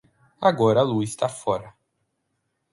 Agora a lua está fora.